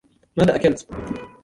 ماذا أكلت ؟